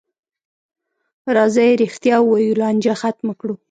راځئ رښتیا ووایو، لانجه ختمه کړو.